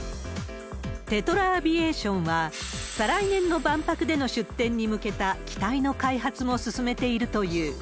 テトラ・アビエーションは、再来年の万博での出展に向けた機体の開発も進めているという。